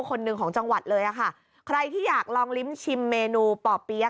คนหนึ่งของจังหวัดเลยอ่ะค่ะใครที่อยากลองลิ้มชิมเมนูป่อเปี๊ยก